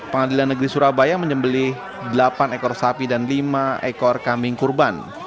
pengadilan negeri surabaya menyembeli delapan ekor sapi dan lima ekor kambing kurban